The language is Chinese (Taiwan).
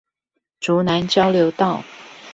竹南交流道